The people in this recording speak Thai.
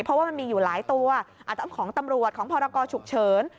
เพราะว่ามันมีอยู่หลายตัวอาจจะของตำรวจของพรกรฉุกเฉิน